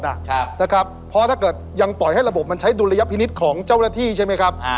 เพราะถ้าเกิดยังปล่อยให้ระบบมันใช้ดุลยพินิษฐ์ของเจ้าหน้าที่ใช่ไหมครับ